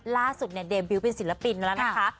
ล่าสุดเนี่ยเดมบิวต์เป็นศิลปินมาแล้วนะคะ